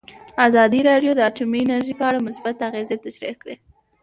ازادي راډیو د اټومي انرژي په اړه مثبت اغېزې تشریح کړي.